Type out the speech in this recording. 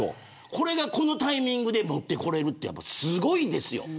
これが、このタイミングで持ってこられるのすごいですよ。